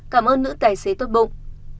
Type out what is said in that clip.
cảm ơn nữ tài xế tốt bụng